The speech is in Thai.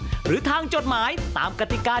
สำหรับคนทางบ้านนะคะ